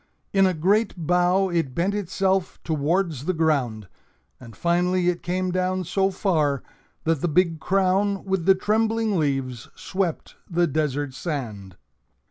In a great bow it bent itself towards the ground, and finally it came down so far that the big crown with the trembling leaves swept the desert sand.